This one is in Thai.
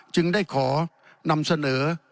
จึงได้ขอนำเสนอ